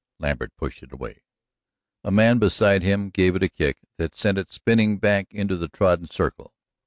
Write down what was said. Lambert pushed it away. A man beside him gave it a kick that sent it spinning back into the trodden circle.